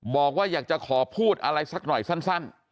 บอกว่าอยากจะขอพูดอะไรสักหน่อยสั้น